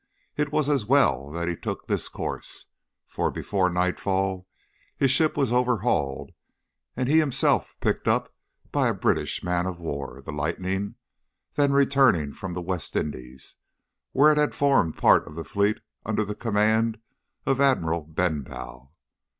It was as well that he took this course, for before nightfall his ship was overhauled and he himself picked up by a British man of war, the Lightning, then returning from the West Indies, where it had formed part of the fleet under the command of Admiral Benbow.